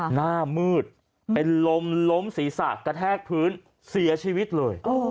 หน้ามืดเป็นลมล้มศีรษะกระแทกพื้นเสียชีวิตเลย